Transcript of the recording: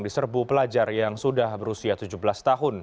diserbu pelajar yang sudah berusia tujuh belas tahun